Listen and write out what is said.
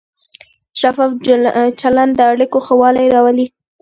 شفاف چلند د اړیکو ښه والی راولي.